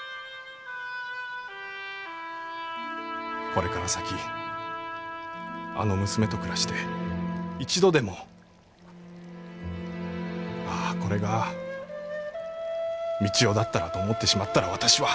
これから先あの娘と暮らして一度でもああこれが三千代だったらと思ってしまったら私は。